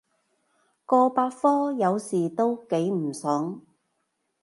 個百科有時都幾唔爽